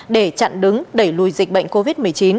để chặn đứng đẩy lùi dịch bệnh covid một mươi chín